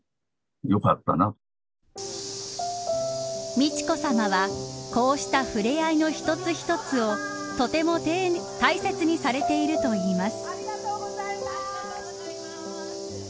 美智子さまはこうした、ふれあいの一つ一つをとても大切にされているといいます。